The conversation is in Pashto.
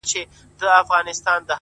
زموږ څه ژوند واخله،